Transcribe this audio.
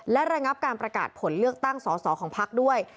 และระงับการประกาศผลเลือกตั้งสอสอของพักด้วย